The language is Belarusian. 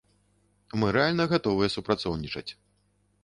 Мы рэальна гатовыя супрацоўнічаць.